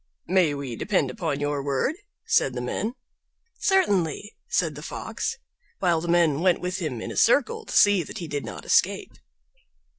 "May we depend upon your word?" said the men. "Certainly," said the Fox, while the men went with him in a circle to see that he did not escape.